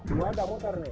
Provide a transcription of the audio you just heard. dua udah mutar nih